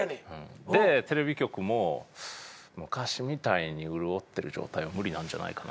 でテレビ局も昔みたいに潤ってる状態は無理なんじゃないかな。